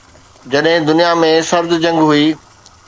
جڏهن دنيا ۾ سرد جنگ هئي.